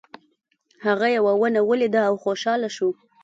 هغه یوه ونه ولیده او خوشحاله شو.